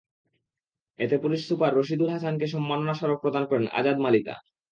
এতে police super Rashidul হাসানকে সম্মাননা স্মারক প্রদান করেন আজাদ মালিতা।